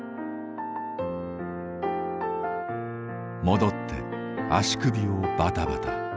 戻って足首をバタバタ。